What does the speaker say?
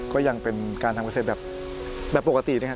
ก็ยังเป็นการทำเกษตรแบบปกตินะครับ